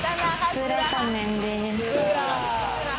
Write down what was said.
スーラータンメンです。